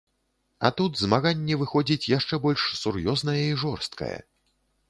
А тут змаганне выходзіць яшчэ больш сур'ёзнае і жорсткае.